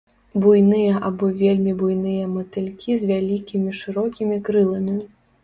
Буйныя або вельмі буйныя матылькі з вялікімі шырокімі крыламі.